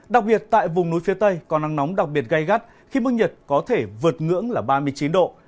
đặc biệt tại vùng núi phía tây có nắng nóng đặc biệt gây gắt khi mức nhiệt có thể vượt ngưỡng là ba mươi chín độ